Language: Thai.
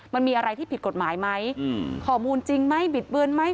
มันมีอะไรที่ผิดกฎหมายไหมข้อมูลจริงไหมบิดเบือนไหม